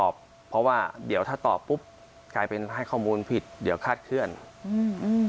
แล้วเราก็นับตัวเองใช่ไหมว่าคบอย่าง